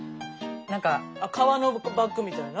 何か革のバッグみたいな？